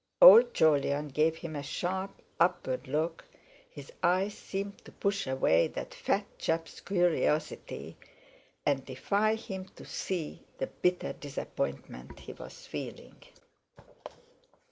Old Jolyon gave him a sharp upward look, his eyes seemed to push away that fat chap's curiosity, and defy him to see the bitter disappointment he was feeling.